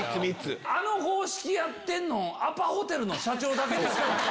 あの方式やってんのアパホテルの社長だけですから。